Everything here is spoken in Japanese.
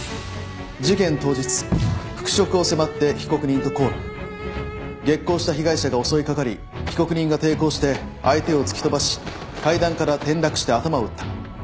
事件当日復職を迫って被告人と口論激高した被害者が襲い掛かり被告人が抵抗して相手を突き飛ばし階段から転落して頭を打った。